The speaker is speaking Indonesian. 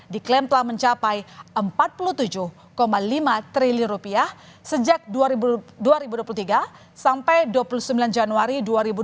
diklaim telah mencapai rp empat puluh tujuh lima triliun sejak dua ribu dua puluh tiga sampai dua puluh sembilan januari dua ribu dua puluh